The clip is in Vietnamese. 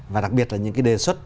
và đặc biệt là những cái đề xuất